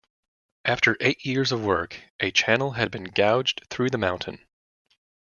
After eight years of work, a channel had been gouged through the mountain.